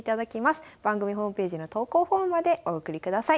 番組ホームページの投稿フォームまでお送りください。